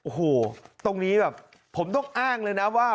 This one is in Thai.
โอ้โหตรงนี้แบบผมต้องอ้างเลยนะว่า